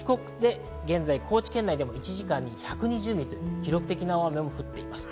高知県内でも１時間に１２０ミリという記録的な大雨も降っています。